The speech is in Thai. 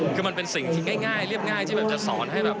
คือมันเป็นสิ่งที่ง่ายเรียบง่ายที่แบบจะสอนให้แบบ